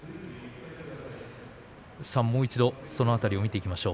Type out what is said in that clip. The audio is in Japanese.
もう一度その辺りを見ていきましょう。